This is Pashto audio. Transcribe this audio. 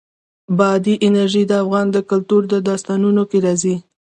بادي انرژي د افغان کلتور په داستانونو کې راځي.